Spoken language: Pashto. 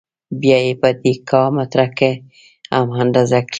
بیا یې په دېکا متره کې هم اندازه کړئ.